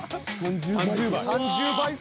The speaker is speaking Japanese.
［３０倍速］